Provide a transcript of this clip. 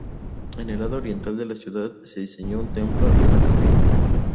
En el lado oriental de la ciudad, se diseñó un templo y una capilla.